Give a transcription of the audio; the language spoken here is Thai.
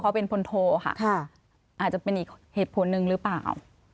พอเขาเป็นคนโทรค่ะอาจจะเป็นอีกเหตุผลนึงหรือเปล่า